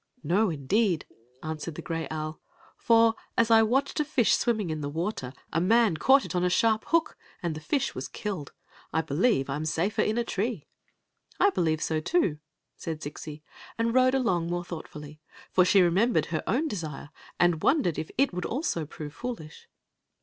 " No, indeed," answered the gray owl. " For, as I watched a fish swimming in the water, a man caught it on a sharp hook, and the fish was killed. I believe I 'm safer in a tree." " I believe so, too," said Zixi, and rode along more thoughtfully; for she remembered her own desire, and wondered if it would also prove foolish.